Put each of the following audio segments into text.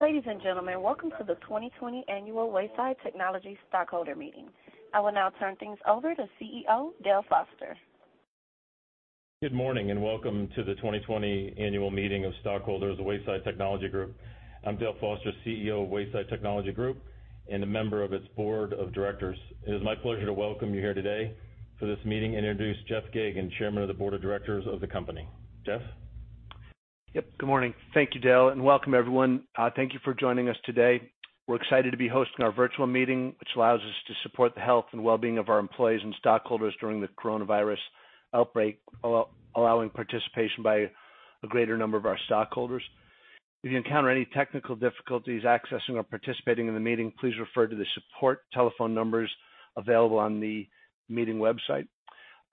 Ladies and gentlemen, welcome to the 2020 annual Wayside Technology stockholder meeting. I will now turn things over to CEO, Dale Foster. Good morning, and welcome to the 2020 annual meeting of stockholders of Wayside Technology Group. I'm Dale Foster, CEO of Wayside Technology Group and a member of its board of directors. It is my pleasure to welcome you here today for this meeting and introduce Jeff Geygan, Chairman of the board of directors of the company. Jeff? Yep. Good morning. Thank you, Dale, welcome everyone. Thank you for joining us today. We're excited to be hosting our virtual meeting, which allows us to support the health and well-being of our employees and stockholders during the coronavirus outbreak, allowing participation by a greater number of our stockholders. If you encounter any technical difficulties accessing or participating in the meeting, please refer to the support telephone numbers available on the meeting website.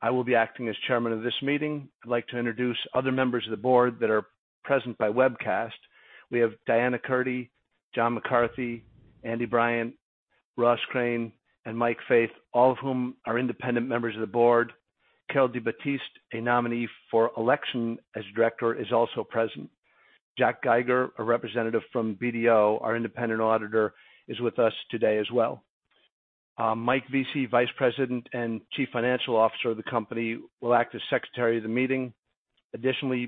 I will be acting as chairman of this meeting. I'd like to introduce other members of the board that are present by webcast. We have Diana Kurty, John McCarthy, Andy Bryant, Ross Crane, and Mike Faith, all of whom are independent members of the board. Carol DiBattiste, a nominee for election as director, is also present. Jack Giegerich, a representative from BDO, our independent auditor, is with us today as well. Mike Vesey, Vice President and Chief Financial Officer of the company, will act as Secretary of the meeting.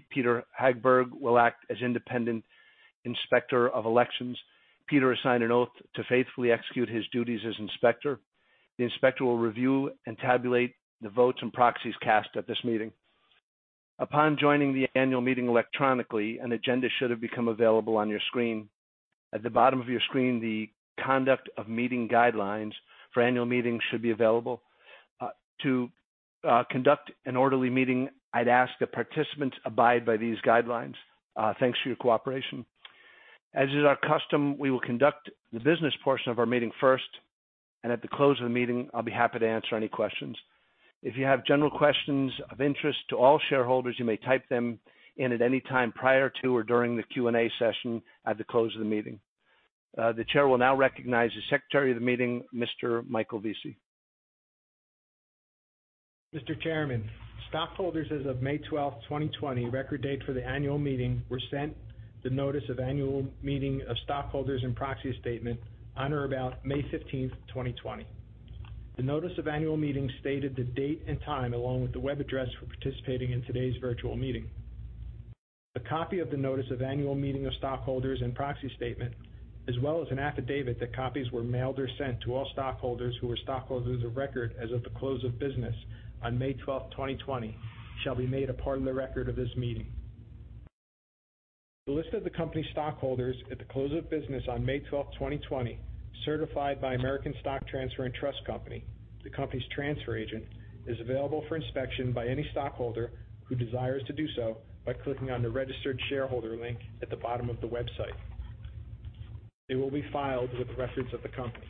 Peder Hagberg will act as Independent Inspector of Elections. Peder has signed an oath to faithfully execute his duties as Inspector. The Inspector will review and tabulate the votes and proxies cast at this meeting. Upon joining the annual meeting electronically, an agenda should have become available on your screen. At the bottom of your screen, the conduct of meeting guidelines for annual meetings should be available. To conduct an orderly meeting, I'd ask that participants abide by these guidelines. Thanks for your cooperation. As is our custom, we will conduct the business portion of our meeting first, and at the close of the meeting, I'll be happy to answer any questions. If you have general questions of interest to all shareholders, you may type them in at any time prior to or during the Q&A session at the close of the meeting. The chair will now recognize the Secretary of the meeting, Mr. Michael Vesey. Mr. Chairman, stockholders as of May 12th, 2020, record date for the annual meeting, were sent the notice of annual meeting of stockholders and proxy statement on or about May 15th, 2020. The notice of annual meeting stated the date and time along with the web address for participating in today's virtual meeting. A copy of the notice of annual meeting of stockholders and proxy statement, as well as an affidavit that copies were mailed or sent to all stockholders who were stockholders of record as of the close of business on May 12th, 2020, shall be made a part of the record of this meeting. The list of the company's stockholders at the close of business on May 12th, 2020, certified by American Stock Transfer & Trust Company, the company's transfer agent, is available for inspection by any stockholder who desires to do so by clicking on the Registered Shareholder link at the bottom of the website. It will be filed with the records of the company.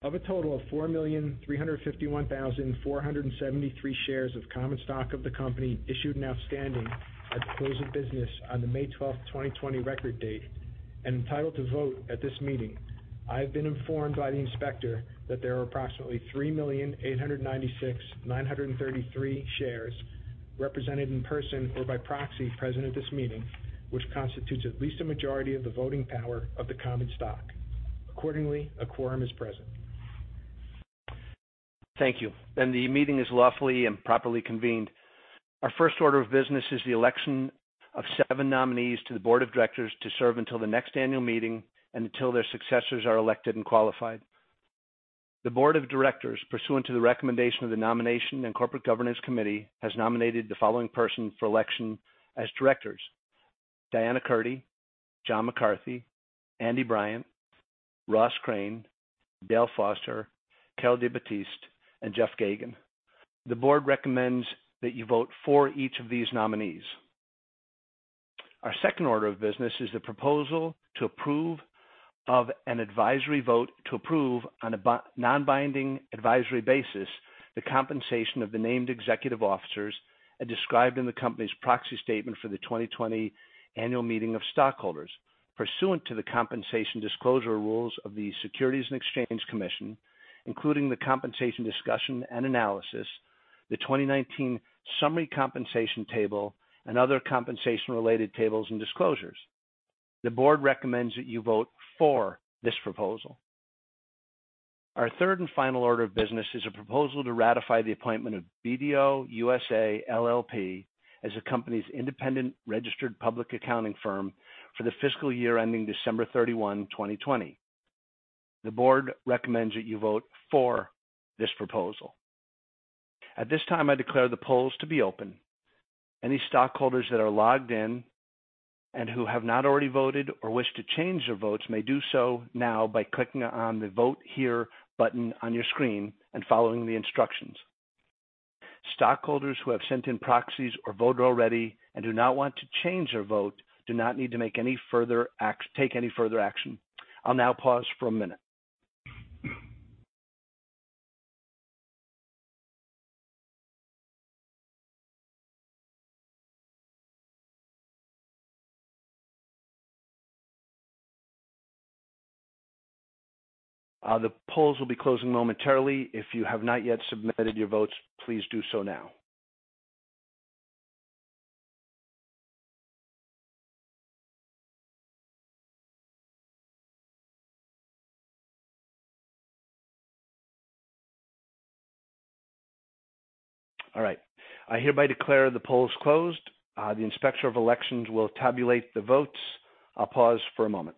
Of a total of 4,351,473 shares of common stock of the company issued and outstanding at the close of business on the May 12th, 2020 record date and entitled to vote at this meeting, I have been informed by the inspector that there are approximately 3,896,933 shares represented in person or by proxy present at this meeting, which constitutes at least a majority of the voting power of the common stock. Accordingly, a quorum is present. Thank you. The meeting is lawfully and properly convened. Our first order of business is the election of seven nominees to the board of directors to serve until the next annual meeting and until their successors are elected and qualified. The board of directors, pursuant to the recommendation of the Nominating and Corporate Governance Committee, has nominated the following persons for election as directors: Diana Kurty, John McCarthy, Andy Bryant, Ross Crane, Dale Foster, Carol DiBattiste, and Jeff Geygan. The board recommends that you vote for each of these nominees. Our second order of business is the proposal to approve of an advisory vote to approve on a non-binding advisory basis the compensation of the named executive officers as described in the company's proxy statement for the 2020 annual meeting of stockholders pursuant to the compensation disclosure rules of the Securities and Exchange Commission, including the compensation discussion and analysis, the 2019 summary compensation table, and other compensation-related tables and disclosures. The board recommends that you vote for this proposal. Our third and final order of business is a proposal to ratify the appointment of BDO USA, LLP as the company's independent registered public accounting firm for the fiscal year ending December 31, 2020. The board recommends that you vote for this proposal. At this time, I declare the polls to be open. Any stockholders that are logged in and who have not already voted or wish to change their votes may do so now by clicking on the Vote Here button on your screen and following the instructions. Stockholders who have sent in proxies or voted already and do not want to change their vote do not need to take any further action. I'll now pause for a minute. The polls will be closing momentarily. If you have not yet submitted your votes, please do so now. All right. I hereby declare the polls closed. The Inspector of Elections will tabulate the votes. I'll pause for a moment.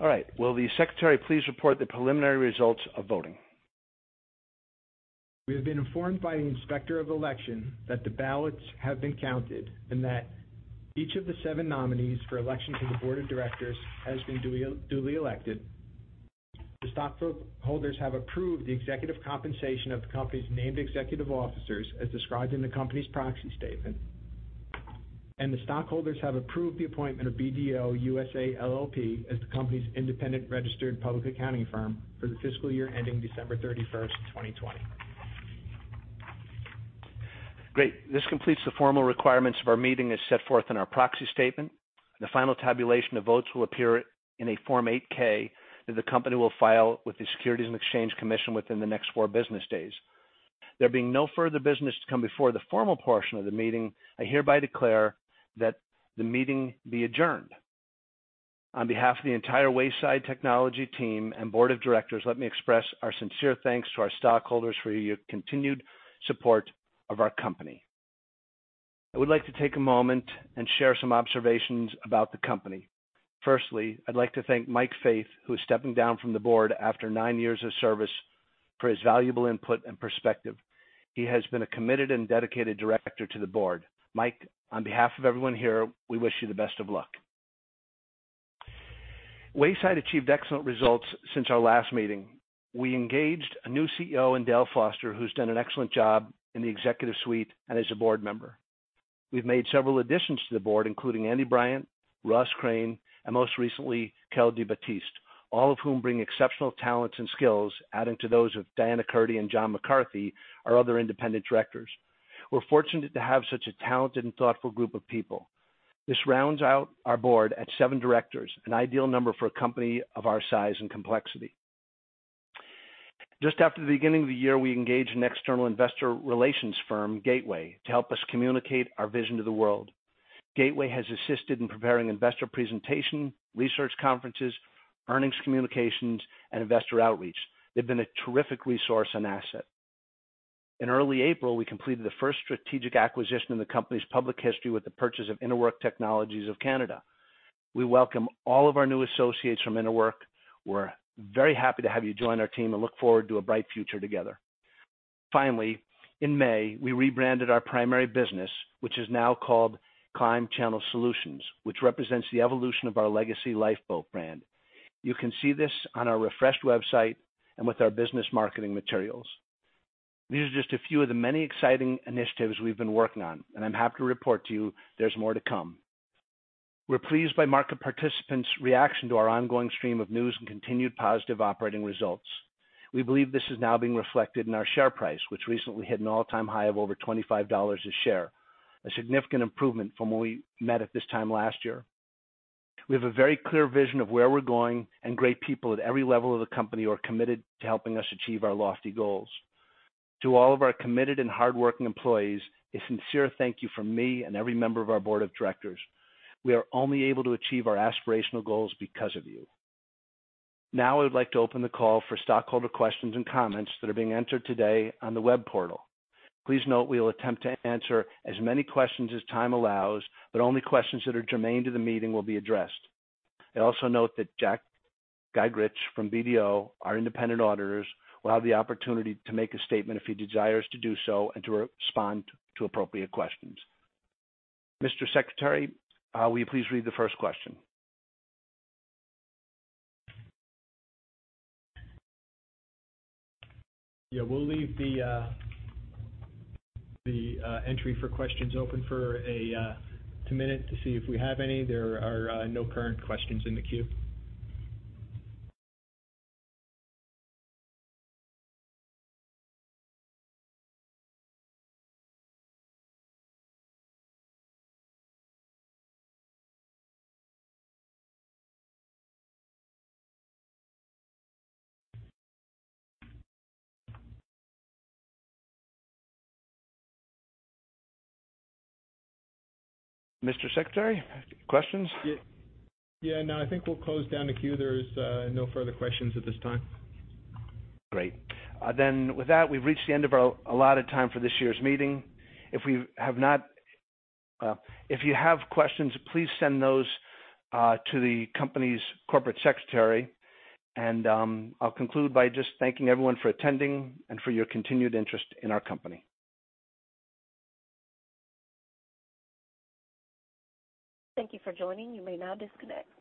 All right. Will the Secretary please report the preliminary results of voting? We have been informed by the Inspector of Election that the ballots have been counted, and that each of the seven nominees for election to the board of directors has been duly elected. The stockholders have approved the executive compensation of the company's named executive officers as described in the company's proxy statement. The stockholders have approved the appointment of BDO USA, LLP as the company's independent registered public accounting firm for the fiscal year ending December 31st, 2020. Great. This completes the formal requirements of our meeting as set forth in our proxy statement. The final tabulation of votes will appear in a Form 8-K that the company will file with the Securities and Exchange Commission within the next four business days. There being no further business to come before the formal portion of the meeting, I hereby declare that the meeting be adjourned. On behalf of the entire Wayside Technology team and board of directors, let me express our sincere thanks to our stockholders for your continued support of our company. I would like to take a moment and share some observations about the company. Firstly, I'd like to thank Mike Faith, who is stepping down from the board after nine years of service, for his valuable input and perspective. He has been a committed and dedicated director to the board. Mike, on behalf of everyone here, we wish you the best of luck. Wayside achieved excellent results since our last meeting. We engaged a new CEO in Dale Foster, who's done an excellent job in the executive suite and as a board member. We've made several additions to the board, including Andy Bryant, Ross Crane, and most recently, Carol DiBattiste, all of whom bring exceptional talents and skills adding to those of Diana Kurty and John McCarthy, our other independent directors. We're fortunate to have such a talented and thoughtful group of people. This rounds out our board at seven directors, an ideal number for a company of our size and complexity. Just after the beginning of the year, we engaged an external investor relations firm, Gateway, to help us communicate our vision to the world. Gateway has assisted in preparing investor presentation, research conferences, earnings communications, and investor outreach. They've been a terrific resource and asset. In early April, we completed the first strategic acquisition in the company's public history with the purchase of Interwork Technologies of Canada. We welcome all of our new associates from Interwork. We're very happy to have you join our team and look forward to a bright future together. Finally, in May, we rebranded our primary business, which is now called Climb Channel Solutions, which represents the evolution of our legacy Lifeboat brand. You can see this on our refreshed website and with our business marketing materials. These are just a few of the many exciting initiatives we've been working on, and I'm happy to report to you there's more to come. We're pleased by market participants' reaction to our ongoing stream of news and continued positive operating results. We believe this is now being reflected in our share price, which recently hit an all-time high of over $25 a share, a significant improvement from when we met at this time last year. We have a very clear vision of where we're going, and great people at every level of the company who are committed to helping us achieve our lofty goals. To all of our committed and hardworking employees, a sincere thank you from me and every member of our board of directors. We are only able to achieve our aspirational goals because of you. Now, I would like to open the call for stockholder questions and comments that are being entered today on the web portal. Please note we will attempt to answer as many questions as time allows, but only questions that are germane to the meeting will be addressed. I also note that Jack Giegerich from BDO, our independent auditors, will have the opportunity to make a statement if he desires to do so and to respond to appropriate questions. Mr. Secretary, will you please read the first question? We'll leave the entry for questions open for a minute to see if we have any. There are no current questions in the queue. Mr. Secretary, questions? Yeah. No, I think we'll close down the queue. There's no further questions at this time. Great. With that, we've reached the end of our allotted time for this year's meeting. If you have questions, please send those to the company's corporate secretary. I'll conclude by just thanking everyone for attending and for your continued interest in our company. Thank you for joining. You may now disconnect.